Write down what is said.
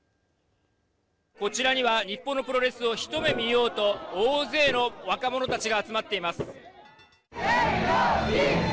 こちらには、日本のプロレスをひと目見ようと大勢の若者たちが集まっています。